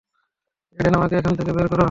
Eden, আমাকে এখানে থেকে বের করো।